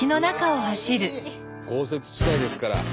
豪雪地帯ですから。